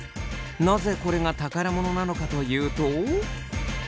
なぜこれが宝物なのかというと。